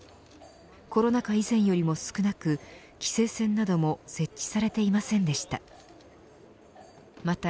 コロナ禍以前よりも少なく規制線なども設置されていませんでした。